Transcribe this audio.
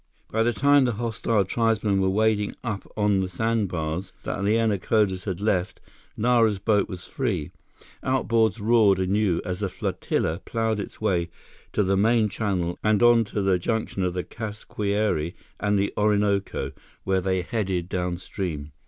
By the time the hostile tribesmen were wading up on the sandbars that the anacondas had left, Nara's boat was free. Outboards roared anew as the flotilla plowed its way to the main channel and on to the junction of the Casquiare and the Orinoco, where they headed downstream.